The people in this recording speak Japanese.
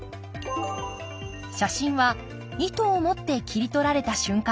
写真は意図を持って切り取られた瞬間です。